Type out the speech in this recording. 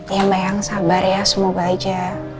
ya mbak yang sabar ya semoga aja